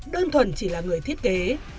đơn thuần chỉ là người thiết kế